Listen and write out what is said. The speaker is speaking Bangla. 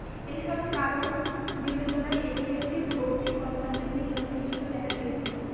এসব কারণ বিবেচনায় এটি একটি ভৌতিক গণতান্ত্রিক নির্বাচন হিসেবে দেখা দিয়েছে।